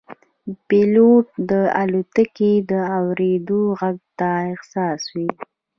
پیلوټ د الوتکې د اورېدو غږ ته حساس وي.